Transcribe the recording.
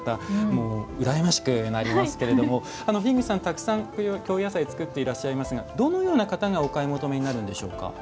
もう羨ましくなりますけども樋口さん、たくさん京野菜を作っていらっしゃいますがどのような方がお買い求めになるんでしょうか。